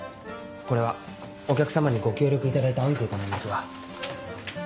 これはお客様にご協力いただいたアンケートなんですが。